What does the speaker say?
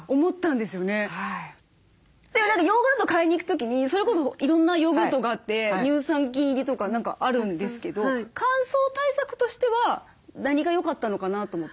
でもヨーグルト買いに行く時にそれこそいろんなヨーグルトがあって乳酸菌入りとか何かあるんですけど乾燥対策としては何がよかったのかなと思って。